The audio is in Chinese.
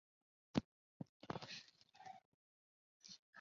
她是帝喾长子帝挚的母亲。